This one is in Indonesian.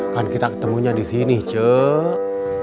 kan kita ketemunya di sini cek